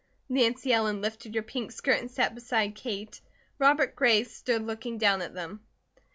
Nancy Ellen lifted her pink skirt and sat beside Kate. Robert Gray stood looking down at them.